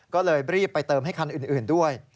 ก็เลยรีบไปเติมให้คันอื่นด้วย